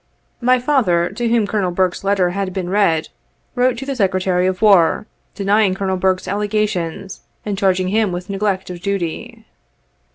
My father, to whom Colonel Burke's letter had been read, wrote to the Secretary of War, denying Colonel Burke's allegations, and charging him with neglect of duty.